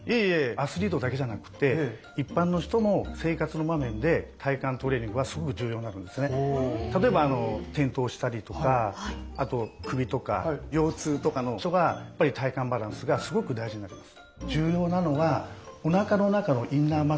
アスリートだけじゃなくて例えば転倒したりとかあと首とか腰痛とかの人が体幹バランスがすごく大事になります。